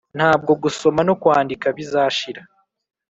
ntabwo gusoma no kwandika bizashira